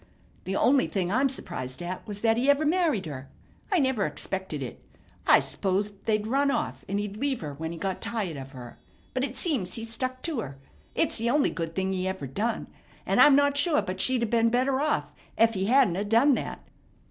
The only thing I'm surprised at was that he ever married her. I never expected it. I s'posed they'd run off, and he'd leave her when he got tired of her; but it seems he stuck to her. It's the only good thing he ever done, and I'm not sure but she'd 'a' been better off ef he hadn't 'a' done that."